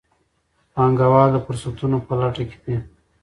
پانګوال د فرصتونو په لټه کې دي.